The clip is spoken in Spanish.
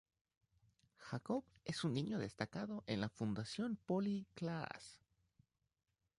Jacob es un niño destacado en la Fundación Polly Klaas.